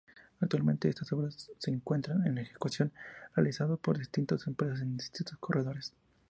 Actualmente estas obras se encuentran en ejecución, realizados por distintas empresas en distintos corredores.